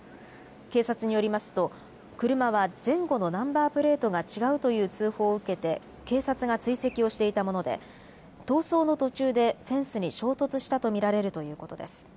警察によりますと車は前後のナンバープレートが違うという通報を受けて警察が追跡をしていたもので逃走の途中でフェンスに衝突したと見られるということです。